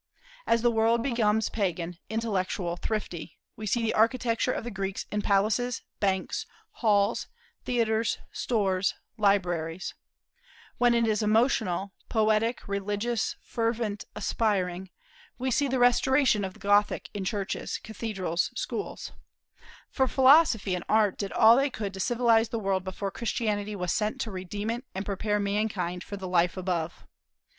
As the world becomes pagan, intellectual, thrifty, we see the architecture of the Greeks in palaces, banks, halls, theatres, stores, libraries; when it is emotional, poetic, religious, fervent, aspiring, we see the restoration of the Gothic in churches, cathedrals, schools, for Philosophy and Art did all they could to civilize the world before Christianity was sent to redeem it and prepare mankind for the life above.